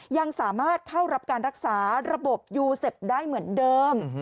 ยังสามารถเข้ารับการรักษาระบบยูเซฟได้เหมือนเดิม